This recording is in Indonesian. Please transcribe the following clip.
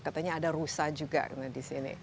katanya ada rusa juga disini